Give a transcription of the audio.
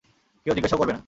কেউ জিজ্ঞেসাও করবে না।